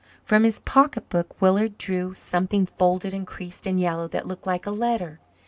From his pocketbook Willard drew something folded and creased and yellow that looked like a letter.